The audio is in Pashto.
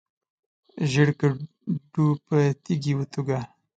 ژیړ کډو په تیږي وتوږه.